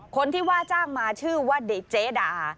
คนที่ว่าจ้างมาชื่อว่าเจดา